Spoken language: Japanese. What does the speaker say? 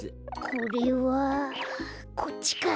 これはこっちか。